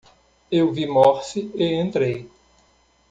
Eu vi Morse e entrei.